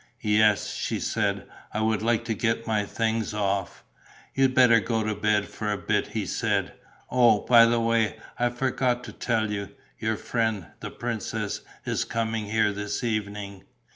"Yes," she said. "I would like to get my things off." "You'd better go to bed for a bit," he said. "Oh, by the way, I forgot to tell you: your friend, the princess, is coming here this evening!"